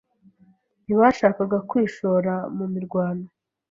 Ntibashakaga kwishora mu mirwano.